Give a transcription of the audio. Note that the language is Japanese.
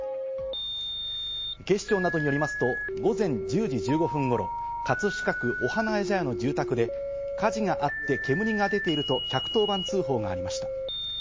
警視庁などによりますと、午前１０時１５分頃、葛飾区お花茶屋の住宅で火事があって煙が出ていると１１０番通報がありました。